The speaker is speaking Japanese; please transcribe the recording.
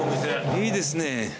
いいですね。